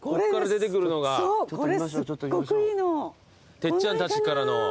てっちゃんたちからの。